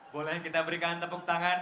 boleh kita berikan tepuk tangan